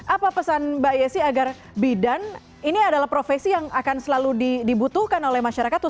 apa pesan mbak yesi agar bidan ini adalah profesi yang akan selalu dibutuhkan oleh masyarakat